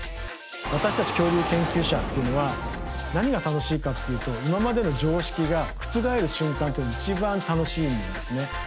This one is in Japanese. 私たち恐竜研究者っていうのは何が楽しいかっていうと今までの常識が覆る瞬間っていうのが一番楽しいんですね。